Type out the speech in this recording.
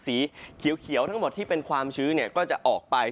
สีเขียวทั้งหมดที่เป็นความชื้นก็จะออกไป